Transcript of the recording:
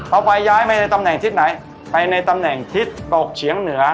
เขาไปย้ายมาในตำแหน่งทิศไหนไปในตำแหน่งทิศตกเฉียงเหนือ